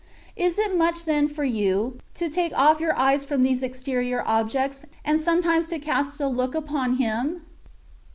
Is it much then for you, to take off your eyes from these exterior objects, and sometimes to cast a look upon Him